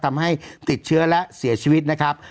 ทำให้ติดเชื้อและเสียชีวิตนะครับ